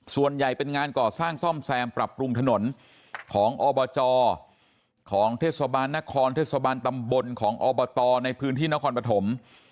ส่วนใหญ่เป็นงานก่อสร้างซ่อมแซมปรับปรุงถนนของอบจของเทศบาลนครเทศบาลตำบลของอบตในพื้นที่นครปฐม